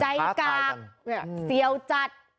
ใจกากเสียวจัด